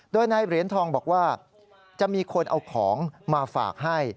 โดยนายเหรียญทองบอกว่าจะมีคนเอาของมาฝากให้